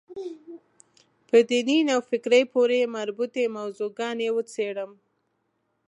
په دیني نوفکرۍ پورې مربوطې موضوع ګانې وڅېړم.